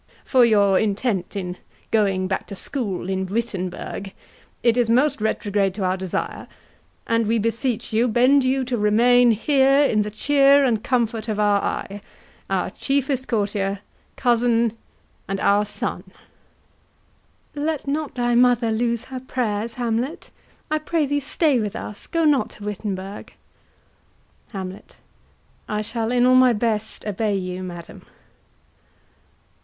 For your intent In going back to school in Wittenberg, It is most retrograde to our desire: And we beseech you bend you to remain Here in the cheer and comfort of our eye, Our chiefest courtier, cousin, and our son. QUEEN. Let not thy mother lose her prayers, Hamlet. I pray thee stay with us; go not to Wittenberg. HAMLET. I shall in all my best obey you, madam.